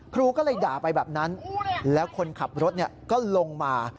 ครูก็เลยด่าไปแบบนั้นแล้วคนขับรถก็ลงมา